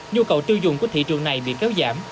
nhu cầu tiêu dùng của thị trường này bị kéo giảm